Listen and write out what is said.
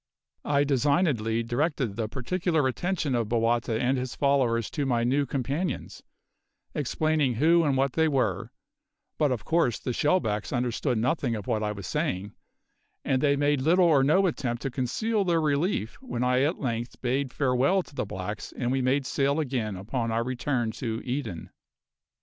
I designedly directed the particular attention of Bowata and his followers to my new companions, explaining who and what they were; but of course the shellbacks understood nothing of what I was saying, and they made little or no attempt to conceal their relief when I at length bade farewell to the blacks and we made sail again upon our return to Eden.